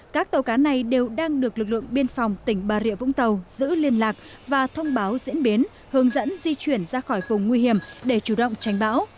các tàu cá này đều đang được lực lượng biên phòng tỉnh bà rịa vũng tàu giữ liên lạc và thông báo diễn biến hướng dẫn di chuyển ra khỏi vùng nguy hiểm để chủ động tránh bão